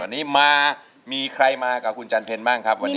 วันนี้มามีใครมากับคุณจันเพลบ้างครับวันนี้